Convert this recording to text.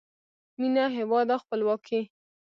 مینه، هیواد او خپلواکۍ